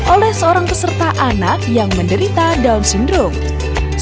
oleh seorang peserta anak yang menderita down syndrome